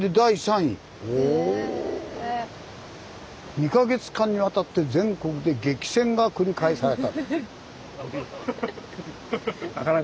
２か月間にわたって全国で激戦が繰り返された。